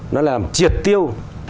nó làm triệt tiêu